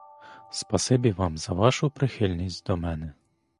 Спасибі вам за вашу прихильність до мене.